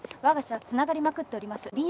わが社はつながりまくっております。